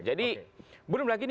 jadi belum lagi nih